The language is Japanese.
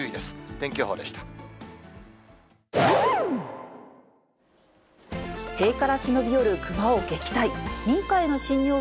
天気予報でした。